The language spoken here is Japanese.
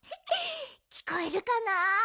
きこえるかな？